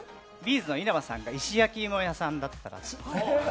’ｚの稲葉さんが石焼き芋屋さんだったら。